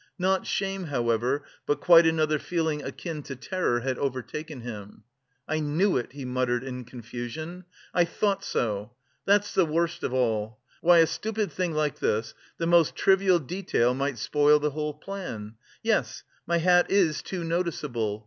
Not shame, however, but quite another feeling akin to terror had overtaken him. "I knew it," he muttered in confusion, "I thought so! That's the worst of all! Why, a stupid thing like this, the most trivial detail might spoil the whole plan. Yes, my hat is too noticeable....